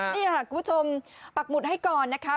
นี่ค่ะคุณผู้ชมปักหมุดให้ก่อนนะคะ